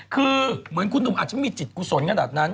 คือเหมือนคุณหนุ่มอาจจะไม่มีจิตกุศลขนาดนั้น